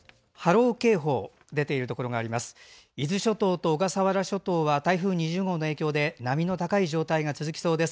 伊豆諸島と小笠原諸島は台風の影響で波の高い状態が続きそうです。